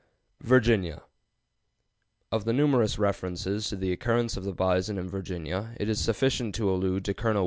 VIRGINIA. Of the numerous references to the occurrence of the bison in Virginia, it is sufficient to allude to Col.